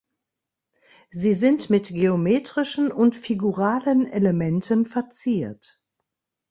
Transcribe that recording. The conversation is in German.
Sie sind mit geometrischen und figuralen Elementen verziert.